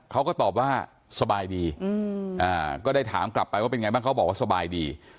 เขาก็ตอบว่าสบายดีก็ได้ถามกลับไปว่าเป็นไงบ้างเขาบอกว่าสบายดี